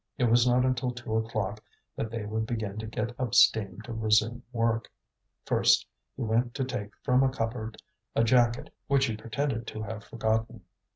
It was not until two o'clock that they would begin to get up steam to resume work. First he went to take from a cupboard a jacket which he pretended to have forgotten.